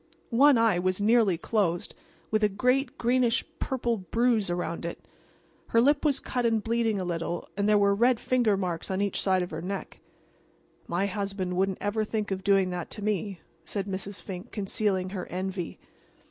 One eye was nearly closed, with a great, greenish purple bruise around it. Her lip was cut and bleeding a little and there were red finger marks on each side of her neck. "My husband wouldn't ever think of doing that to me," said Mrs. Fink, concealing her envy.